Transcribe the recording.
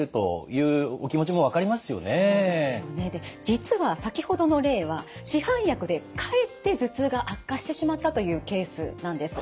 実は先ほどの例は市販薬でかえって頭痛が悪化してしまったというケースなんです。